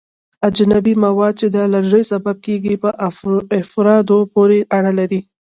اجنبي مواد چې د الرژي سبب کیږي په افرادو پورې اړه لري.